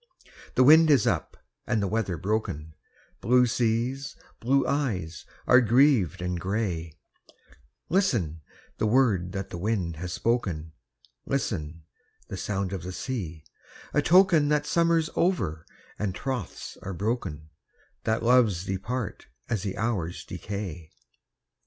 The wind is up, and the weather broken, Blue seas, blue eyes, are grieved and grey, Listen, the word that the wind has spoken, Listen, the sound of the sea,—a token That summer's over, and troths are broken,— That loves depart as the hours decay.